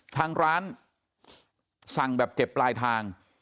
ทางร้านสั่งแบบเก็บปลายทาง